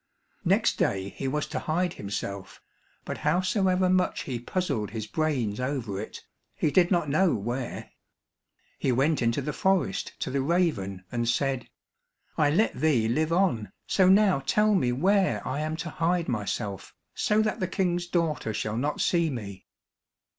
Next day he was to hide himself; but howsoever much he puzzled his brains over it, he did not know where. He went into the forest to the raven and said, "I let thee live on, so now tell me where I am to hide myself, so that the King's daughter shall not see me."